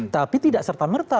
tapi tidak serta merta